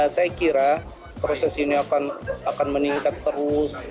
saya kira proses ini akan meningkat terus